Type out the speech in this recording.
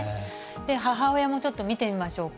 母親もちょっと見てみましょうか。